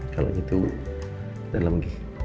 kalau gitu dalam lagi